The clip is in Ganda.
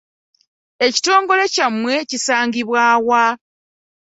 Ekitongole kyamwe kisangibwa wa?